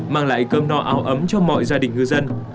mang lại cơm no áo ấm cho mọi gia đình ngư dân